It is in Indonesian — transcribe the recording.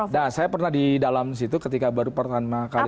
nah saya pernah di dalam situ ketika baru pertama kali